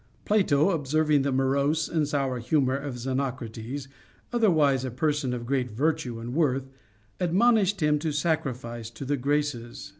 Plato observing the morose and sour humor of Xenocrates, otherwise a person of great virtue and worth, admonished him to sacrifice to the Graces.